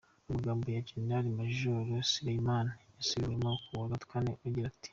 Amagambo ya Jenerali Majoro Soleimani yasubiwemo ku wa kane agira ati:.